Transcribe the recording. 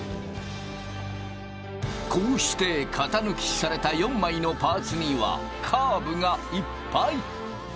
こうして型抜きされた４枚のパーツにはカーブがいっぱい。